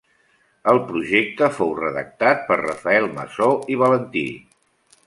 El projecte fou redactat per Rafael Masó i Valentí.